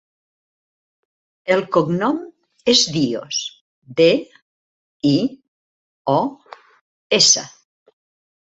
El cognom és Dios: de, i, o, essa.